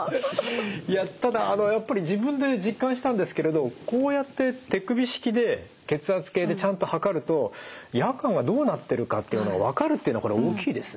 いやただあのやっぱり自分で実感したんですけれどこうやって手首式で血圧計でちゃんと測ると夜間はどうなってるかというのが分かるというのは大きいですね。